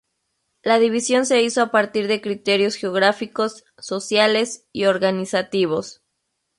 La división se hizo a partir de criterios geográficos, sociales y organizativos.